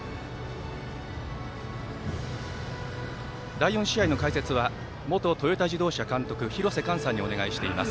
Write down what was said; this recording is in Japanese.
第４試合の解説は元トヨタ自動車監督廣瀬寛さんにお願いしています。